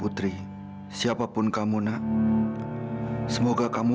udah ya kak kita ke makam lama